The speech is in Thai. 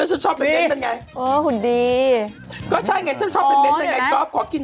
นิดนึงแต่ไม่รู้ทำอะไรนิดนึงคุณไม่รู้หน้าเปลี่ยนอะไรใช่หรือเป็นแก่ลง